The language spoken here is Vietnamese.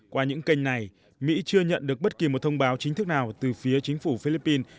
qua những kênh này mỹ chưa nhận được bất kỳ một thông báo chính thức nào từ phía chính phủ philippines